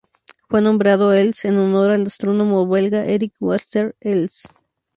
Fue nombrado Elst en honor al astrónomo belga Eric Walter Elst.